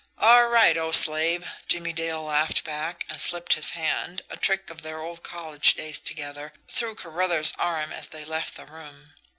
"All right, O slave." Jimmie Dale laughed back and slipped his hand, a trick of their old college days together, through Carruthers' arm as they left the room.